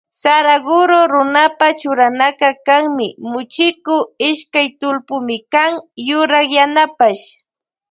Saraguro runapa churanaka kanmi muchiku ishkay tullpimikan yurak yanapash.